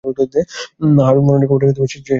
হারুর মরণের খবরটা সে শান্তভাবে গ্রহণ করে।